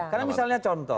karena misalnya contoh